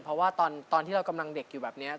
เพราะว่าตอนที่เรากำลังเด็กอยู่แบบนี้